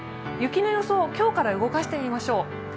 雪の予想、今日から動かしてみましょう。